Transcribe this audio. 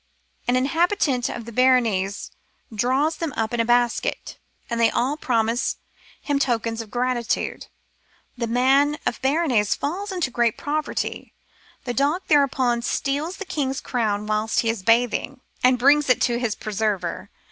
An inhabitant of Benares draws them up in a basket, and they all promise him tokens of gratitude. The man of Benares falls into great poverty ; the dog thereupon steals the king's crown whilst he is bathing, and 293 Curiosities of Olden Times brings it to his preserver.